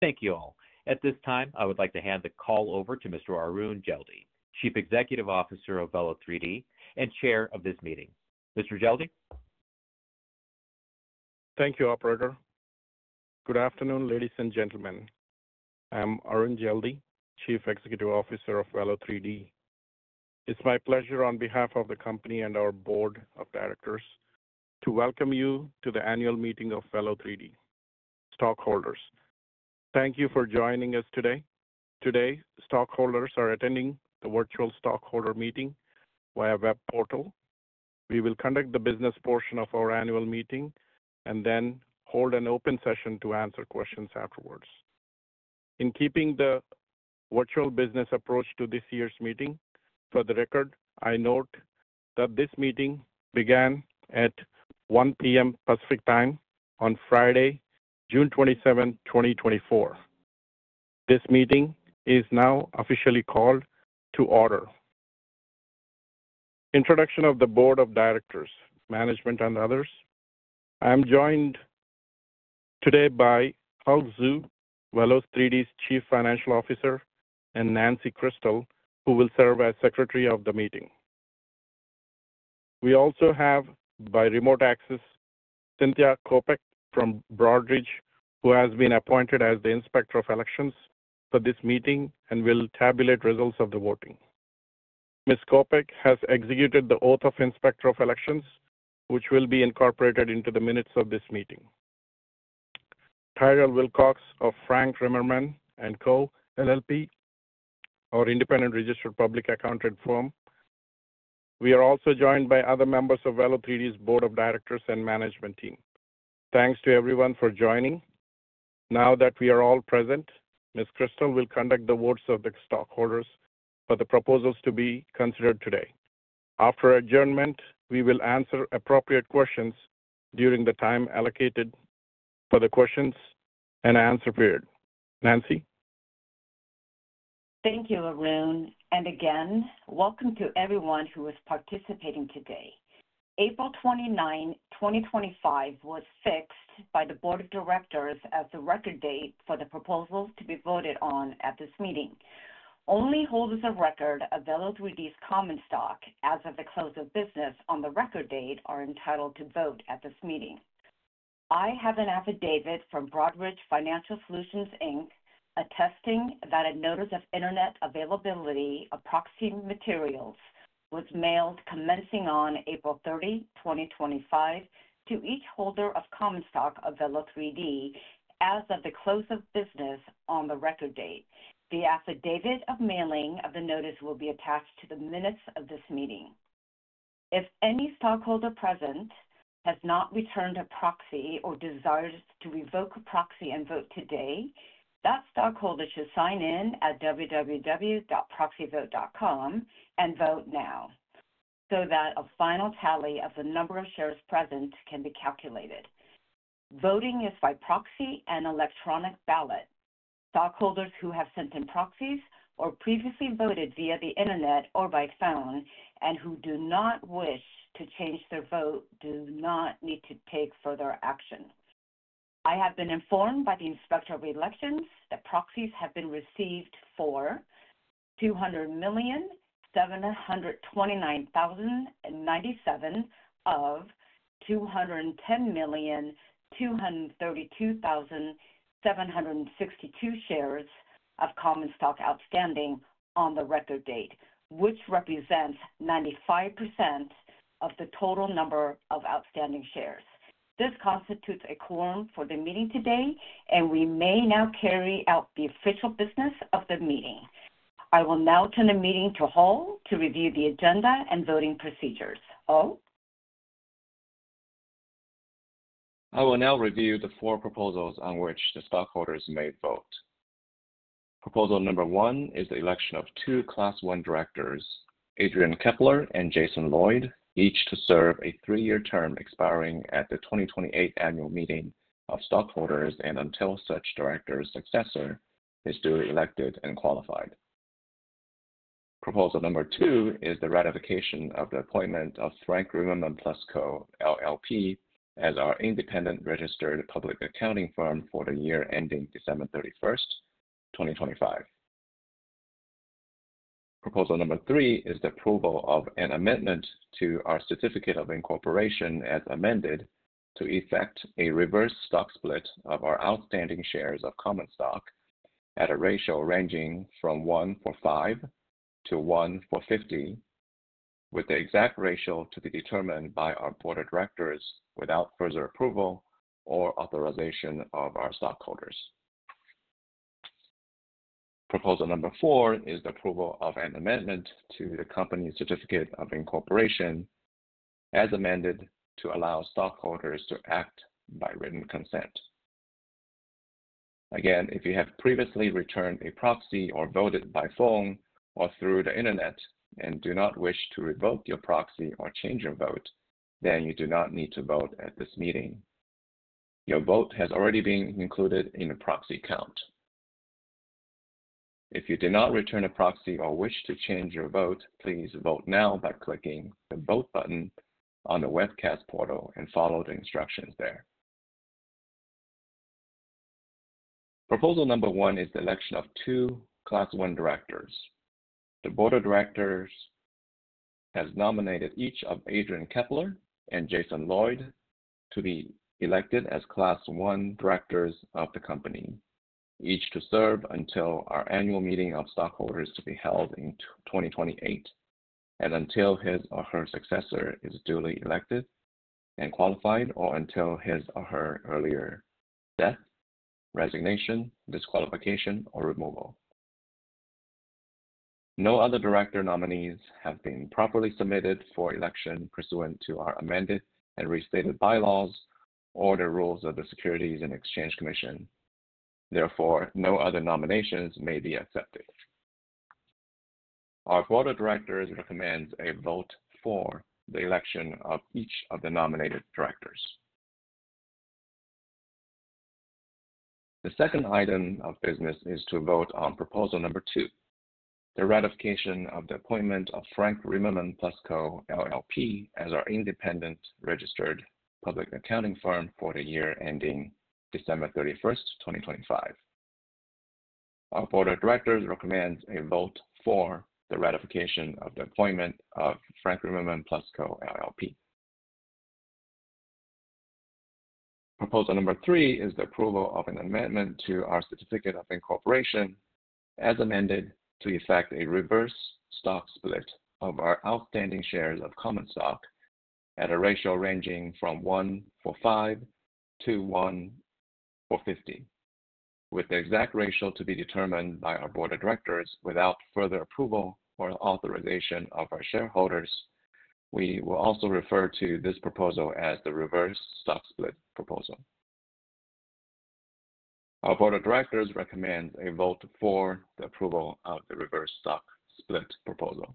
Thank you all. At this time, I would like to hand the call over to Mr. Arun Jeldi, Chief Executive Officer of Velo3D and Chair of this meeting. Mr. Jeldi? Thank you, Operator. Good afternoon, ladies and gentlemen. I am Arun Jeldi, Chief Executive Officer of Velo3D. It's my pleasure, on behalf of the company and our board of directors, to welcome you to the annual meeting of Velo3D. Stockholders, thank you for joining us today. Today, stockholders are attending the virtual stockholder meeting via web portal. We will conduct the business portion of our annual meeting and then hold an open session to answer questions afterwards. In keeping the virtual business approach to this year's meeting, for the record, I note that this meeting began at 1:00 P.M. Pacific Time on Friday, June 27, 2024. This meeting is now officially called to order. Introduction of the board of directors, management, and others. I am joined today by Hull Xu, Velo3D's Chief Financial Officer, and Nancy Krystal, who will serve as Secretary of the Meeting. We also have, by remote access, Cynthia Kopek from Broadridge, who has been appointed as the Inspector of Elections for this meeting and will tabulate results of the voting. Ms. Kopek has executed the oath of Inspector of Elections, which will be incorporated into the minutes of this meeting. Tyra Wilcox of Frank Rimerman & Co, LLP, our independent registered public accounting firm. We are also joined by other members of Velo3D's board of directors and management team. Thanks to everyone for joining. Now that we are all present, Ms. Kristol will conduct the votes of the stockholders for the proposals to be considered today. After adjournment, we will answer appropriate questions during the time allocated for the questions and answer period. Nancy? Thank you, Arun. Again, welcome to everyone who is participating today. April 29, 2025, was fixed by the Board of Directors as the record date for the proposals to be voted on at this meeting. Only holders of record of Velo3D's common stock, as of the close of business on the record date, are entitled to vote at this meeting. I have an affidavit from Broadridge Financial Solutions, Inc, attesting that a notice of internet availability of proxy materials was mailed commencing on April 30, 2025, to each holder of common stock of Velo3D as of the close of business on the record date. The affidavit of mailing of the notice will be attached to the minutes of this meeting. If any stockholder present has not returned a proxy or desires to revoke a proxy and vote today, that stockholder should sign in at www.proxyvote.com and vote now so that a final tally of the number of shares present can be calculated. Voting is by proxy and electronic ballot. Stockholders who have sent in proxies or previously voted via the internet or by phone and who do not wish to change their vote do not need to take further action. I have been informed by the Inspector of Elections that proxies have been received for 200,729,097 of 210,232,762 shares of common stock outstanding on the record date, which represents 95% of the total number of outstanding shares. This constitutes a quorum for the meeting today, and we may now carry out the official business of the meeting. I will now turn the meeting to Hull to review the agenda and voting procedures. Hull? I will now review the four proposals on which the stockholders may vote. Proposal number one is the election of two Class 1 directors, Adrian Kepler and Jason Lloyd, each to serve a three-year term expiring at the 2028 annual meeting of stockholders and until such director's successor is duly elected and qualified. Proposal number two is the ratification of the appointment of Frank Rimerman & Co, LLP, as our independent registered public accounting firm for the year ending December 31, 2025. Proposal number three is the approval of an amendment to our certificate of incorporation as amended, to effect a reverse stock split of our outstanding shares of common stock at a ratio ranging from 1-for-5 to 1-for-50, with the exact ratio to be determined by our board of directors without further approval or authorization of our stockholders. Proposal number four is the approval of an amendment to the company's certificate of incorporation as amended to allow stockholders to act by written consent. Again, if you have previously returned a proxy or voted by phone or through the internet and do not wish to revoke your proxy or change your vote, then you do not need to vote at this meeting. Your vote has already been included in the proxy count. If you did not return a proxy or wish to change your vote, please vote now by clicking the vote button on the webcast portal and follow the instructions there. Proposal number one is the election of two Class 1 directors. The board of directors has nominated each of Adrian Kepler and Jason Lloyd to be elected as Class 1 directors of the company, each to serve until our annual meeting of stockholders to be held in 2028, and until his or her successor is duly elected and qualified, or until his or her earlier death, resignation, disqualification, or removal. No other director nominees have been properly submitted for election pursuant to our amended and restated bylaws or the rules of the Securities and Exchange Commission. Therefore, no other nominations may be accepted. Our board of directors recommends a vote for the election of each of the nominated directors. The second item of business is to vote on proposal number two, the ratification of the appointment of Frank Rimerman & Co, LLP, as our independent registered public accounting firm for the year ending December 31, 2025. Our board of directors recommends a vote for the ratification of the appointment of Frank Rimerman & Co, LLP. Proposal number three is the approval of an amendment to our certificate of incorporation as amended to effect a reverse stock split of our outstanding shares of common stock at a ratio ranging from 1-for-5 to 1-for-50, with the exact ratio to be determined by our board of directors without further approval or authorization of our shareholders. We will also refer to this proposal as the reverse stock split proposal. Our board of directors recommends a vote for the approval of the reverse stock split proposal.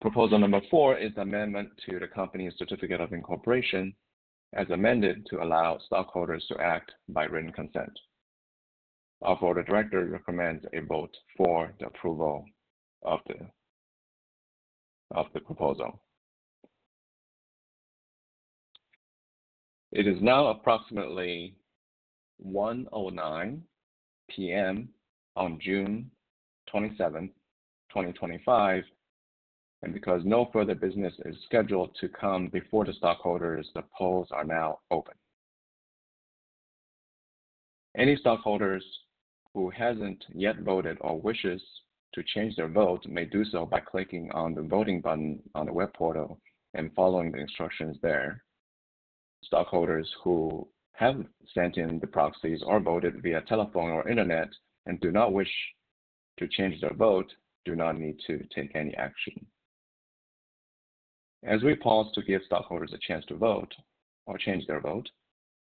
Proposal number four is the amendment to the company's certificate of incorporation as amended to allow stockholders to act by written consent. Our board of directors recommends a vote for the approval of the proposal. It is now approximately 1:09 P.M. on June 27, 2025, and because no further business is scheduled to come before the stockholders, the polls are now open. Any stockholders who have not yet voted or wish to change their vote may do so by clicking on the voting button on the web portal and following the instructions there. Stockholders who have sent in the proxies or voted via telephone or internet and do not wish to change their vote do not need to take any action. As we pause to give stockholders a chance to vote or change their vote,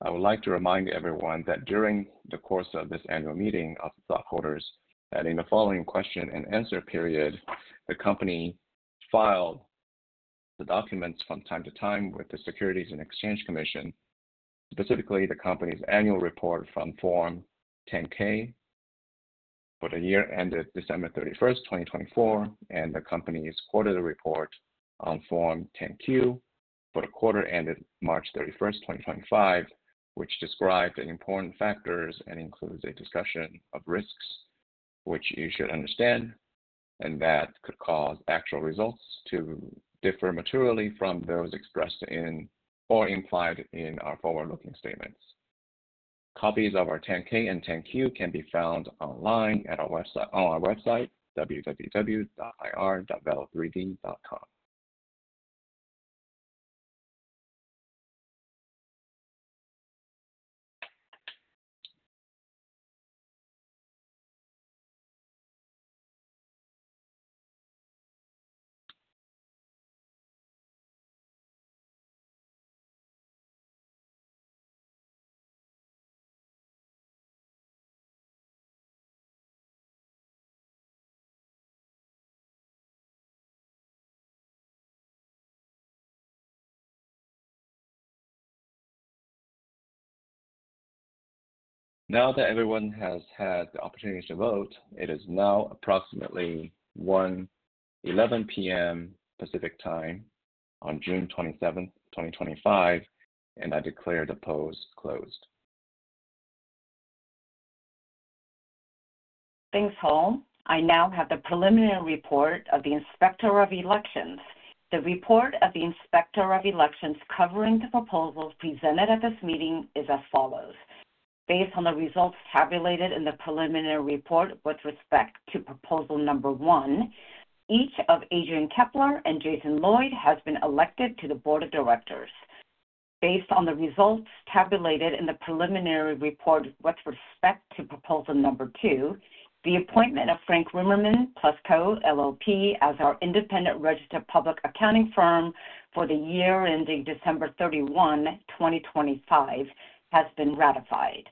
I would like to remind everyone that during the course of this annual meeting of stockholders, that in the following question and answer period, the company filed the documents from time to time with the Securities and Exchange Commission, specifically the company's annual report from Form 10-K for the year ended December 31, 2024, and the company's quarterly report on Form 10-Q for the quarter ended March 31, 2025, which described important factors and includes a discussion of risks, which you should understand, and that could cause actual results to differ materially from those expressed in or implied in our forward-looking statements. Copies of our 10-K and 10-Q can be found online at our website www.ir.velo3d.com. Now that everyone has had the opportunity to vote, it is now approximately 1:11 P.M. Pacific Time on June 27, 2025, and I declare the polls closed. Thanks, Hull. I now have the preliminary report of the Inspector of Elections. The report of the Inspector of Elections covering the proposals presented at this meeting is as follows. Based on the results tabulated in the preliminary report with respect to proposal number one, each of Adrian Kepler and Jason Lloyd has been elected to the board of directors. Based on the results tabulated in the preliminary report with respect to proposal number two, the appointment of Frank Rimerman & Co, LLP, as our independent registered public accounting firm for the year ending December 31, 2025, has been ratified.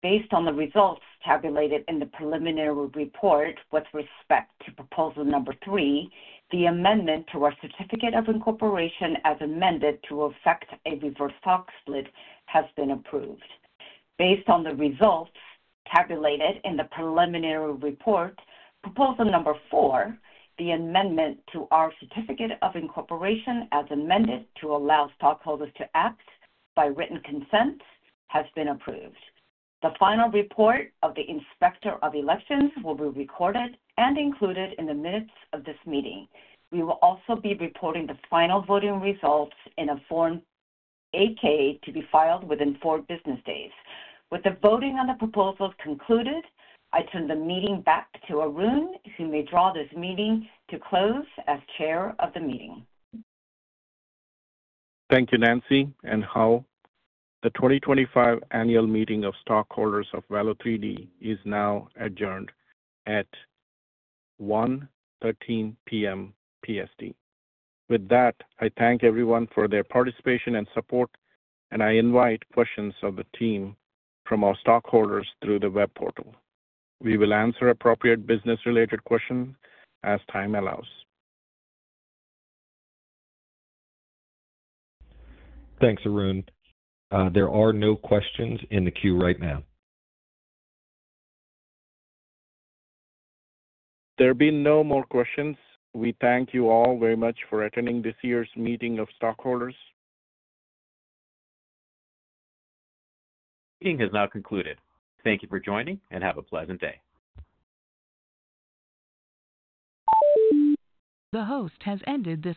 Based on the results tabulated in the preliminary report with respect to proposal number three, the amendment to our certificate of incorporation as amended to effect a reverse stock split has been approved. Based on the results tabulated in the preliminary report, proposal number four, the amendment to our certificate of incorporation as amended to allow stockholders to act by written consent, has been approved. The final report of the Inspector of Elections will be recorded and included in the minutes of this meeting. We will also be reporting the final voting results in a Form 8-K to be filed within four business days. With the voting on the proposals concluded, I turn the meeting back to Arun, who may draw this meeting to close as Chair of the meeting. Thank you, Nancy and Hull. The 2025 annual meeting of stockholders of Velo3D is now adjourned at 1:13 P.M. PST. With that, I thank everyone for their participation and support, and I invite questions of the team from our stockholders through the web portal. We will answer appropriate business-related questions as time allows. Thanks, Arun. There are no questions in the queue right now. There have been no more questions. We thank you all very much for attending this year's meeting of stockholders. The meeting has now concluded. Thank you for joining and have a pleasant day. The host has ended the.